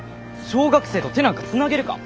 小学生と手なんかつなげるか。